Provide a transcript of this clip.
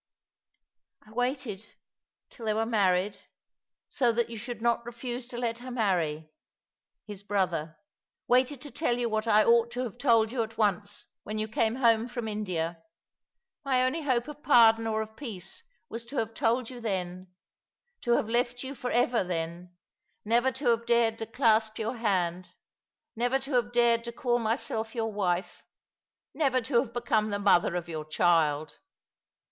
"I waited — till they were married — so that you should not refuse to let her marry — his brother — waited to tell you what I ought to have told you at once, when you came home from India. My only hope of pardon or of peace was to have told you then— to have left you for ever then — never ^^ Deeper than Plummets Sound!^ 293 to have dared to clasp your hand — never to liaTe dared to call myself your \7ife — never to have become the mother of your child.